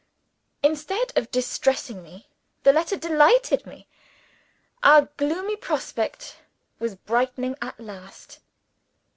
Instead of distressing me, the letter delighted me. Our gloomy prospect was brightening at last.